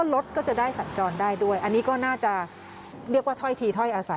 รถก็จะได้สัญจรได้ด้วยอันนี้ก็น่าจะเรียกว่าถ้อยทีถ้อยอาศัย